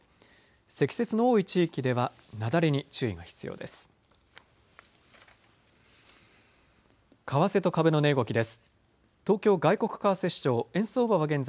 積雪の多い地域では雪崩に注意が必要です。